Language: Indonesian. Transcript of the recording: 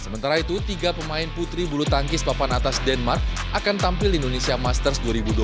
sementara itu tiga pemain putri bulu tangkis papan atas denmark akan tampil di indonesia masters dua ribu dua puluh tiga